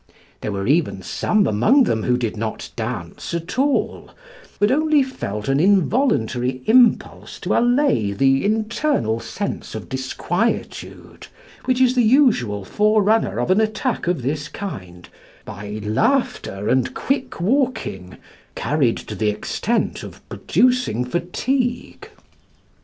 There were even some among them who did not dance at all, but only felt an involuntary impulse to allay the internal sense of disquietude, which is the usual forerunner of an attack of this kind, by laughter and quick walking carried to the extent of producing fatigue.